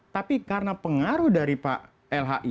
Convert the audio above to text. tapi karena pengaruh dari pak lhi